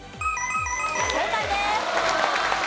正解です。